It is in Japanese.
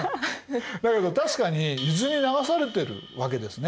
だけど確かに伊豆に流されてるわけですね。